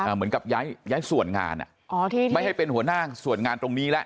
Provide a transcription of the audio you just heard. เหมือนกับย้ายส่วนงานไม่ให้เป็นหัวหน้าส่วนงานตรงนี้แล้ว